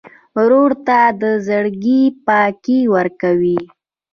ورور ته د زړګي پاکي ورکوې.